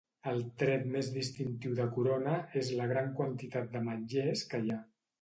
El tret més distintiu de Corona és la gran quantitat d'ametllers que hi ha.